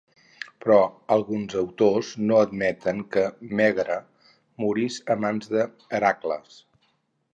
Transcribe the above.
Però alguns autors no admeten que Mègara morís a mans d'Hèracles.